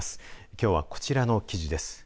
きょうは、こちらの記事です。